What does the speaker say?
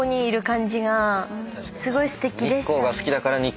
すごいすてきでしたね。